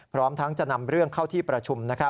พร้อมทั้งจะนำเรื่องเข้าที่ประชุม